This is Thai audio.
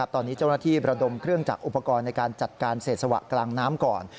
ตอนนี้เจ้าหน้าที่ประดมเครื่องจากอุปกรณ์ในการจัดการเศษสวะกลางน้ำก่อน